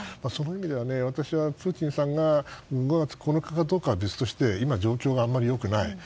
その意味では、私はプーチンさんが５月９日かどうかは別として今状況があまり良くない。